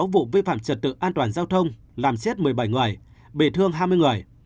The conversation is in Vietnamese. sáu vụ vi phạm trật tự an toàn giao thông làm chết một mươi bảy người bị thương hai mươi người